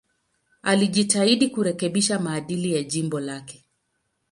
Alijitahidi kurekebisha maadili ya jimbo lake.